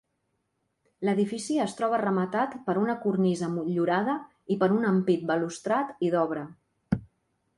L'edifici es troba rematat per una cornisa motllurada i per un ampit balustrat i d'obra.